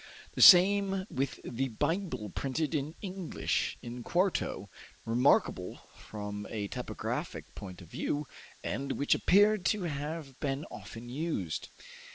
The same with the Bible printed in English, in quarto, remarkable from a typographic point of view, and which appeared to have been often used.